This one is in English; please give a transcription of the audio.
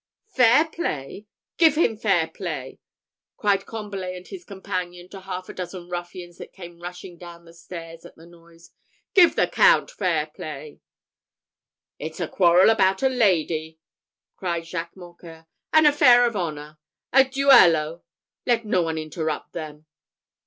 "Fair play! Give him fair play!" cried Combalet and his companion to half a dozen ruffians that came rushing down the stairs at the noise. "Give the Count fair play!" "It's a quarrel about a lady!" cried Jacques Mocqueur. "An affair of honour! A duello! Let no one interrupt them."